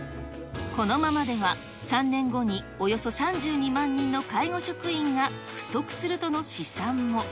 このままでは３年後におよそ３２万人の介護職員が不足するとの試